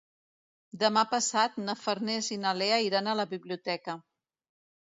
Demà passat na Farners i na Lea iran a la biblioteca.